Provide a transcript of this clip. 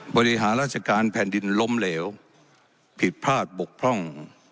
บริหารราชการแผ่นดินล้มเหลวผิดพลาดบกพร่อง